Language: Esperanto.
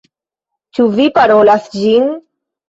Ĉu vi parolas ĝin?